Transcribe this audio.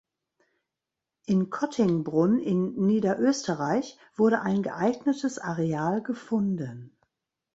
In Kottingbrunn in Niederösterreich wurde ein geeignetes Areal gefunden.